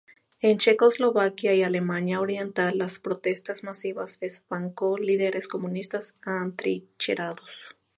En Checoslovaquia y Alemania Oriental, las protestas masivas desbancó líderes comunistas atrincherados.